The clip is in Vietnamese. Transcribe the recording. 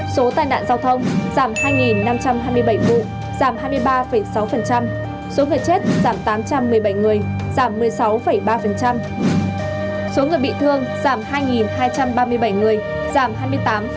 số tai nạn giao thông giảm hai năm trăm hai mươi bảy vụ giảm hai mươi ba sáu số người chết giảm tám trăm một mươi bảy người giảm một mươi sáu ba số người bị thương giảm hai hai trăm ba mươi bảy người giảm hai mươi tám